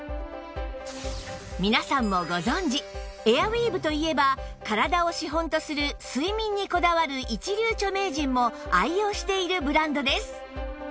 皆さんもご存じエアウィーヴといえば体を資本とする睡眠にこだわる一流著名人も愛用しているブランドです